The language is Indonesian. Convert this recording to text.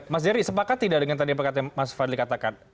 mas jerry sepakat tidak dengan tadi yang mas fadli katakan